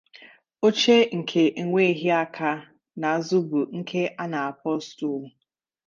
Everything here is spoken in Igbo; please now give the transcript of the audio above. Oche nke enweghi aka, n'azu, bu nke ana-kpo "stool".